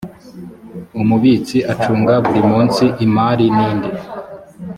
umubitsi acunga buri munsi imari n indi